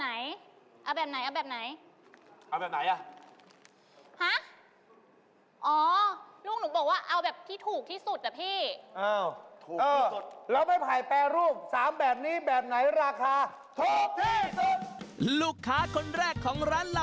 อันนี้ถูกที่สุดอันนี้ถูกกว่า